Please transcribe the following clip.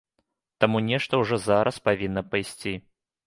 Таму нешта ўжо зараз павінна пайсці.